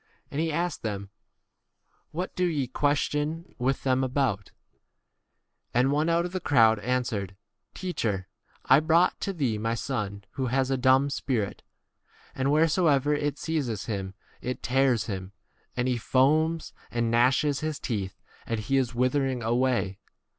And he asked them,™ What do ye question with them V about ? And one out of the crowd answered, 11 Teacher, I brought to thee my son, who has a dumb 18 spirit; and wheresoever it seizes him it tears him, and he foams and gnashes his teeth, and he is with ering away.